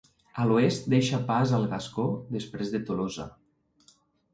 A l'oest, deixa pas al gascó després de Tolosa.